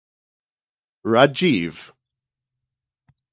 Rajeev.